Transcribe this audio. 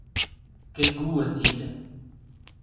Quel goût a-t-il ?